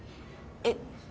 え。